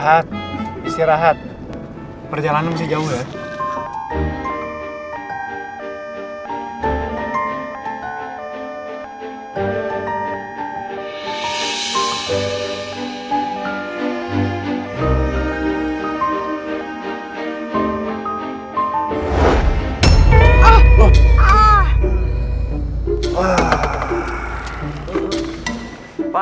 aku masih harus sembunyikan masalah lo andin dari mama